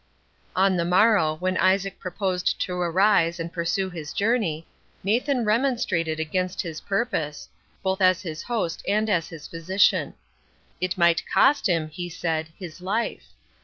On the morrow, when Isaac proposed to arise and pursue his journey, Nathan remonstrated against his purpose, both as his host and as his physician. It might cost him, he said, his life.